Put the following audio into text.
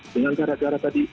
dengan gara gara tadi